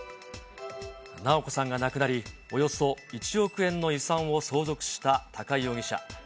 直子さんが亡くなり、およそ１億円の遺産を相続した高井容疑者。